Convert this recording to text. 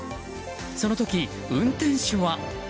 その時、運転手は？